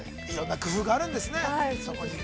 ◆いろんな工夫があるんですよね。